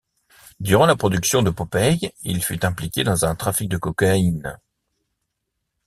Durant la production de Popeye il fut impliqué dans un trafic de cocaïne.